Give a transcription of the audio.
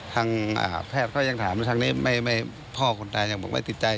ทางแพทย์ก็ยังถามทางนี้พ่อคนตายังบอกไม่ติดใจ